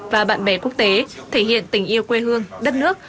và bạn bè quốc tế thể hiện tình yêu quê hương đất nước